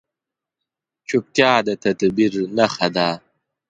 چپتیا، د تدبیر نښه ده.